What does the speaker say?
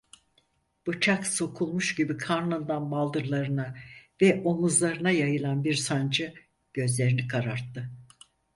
Bıçak sokulmuş gibi karnından baldırlarına ve omuzlarına yayılan bir sancı, gözlerini kararttı.